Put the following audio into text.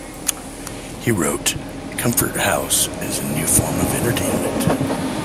He wrote: Comfort House is a new form of entertainment.